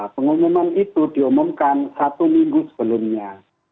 pengumuman itu diumumkan satu minggu sebelumnya